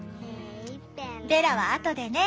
ベラはあとでね。